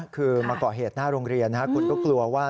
คือมาก่อเหตุหน้าโรงเรียนคุณก็กลัวว่า